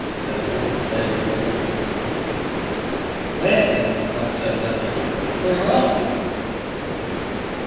They were all fairly bewildered. "Where, then," cried Servadac eagerly, "where are we?"